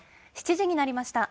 ７時になりました。